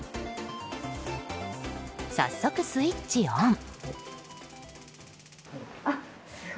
早速、スイッチオン。